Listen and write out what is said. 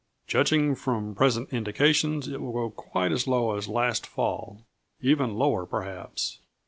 "Judging from present indications, it will go quite as low as last fall even lower, perhaps.